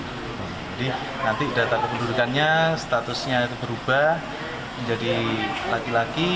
jadi nanti data kependudukannya statusnya itu berubah menjadi laki laki